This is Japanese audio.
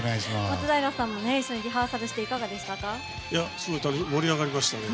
松平さんも一緒にリハーサルしていかがでしたか？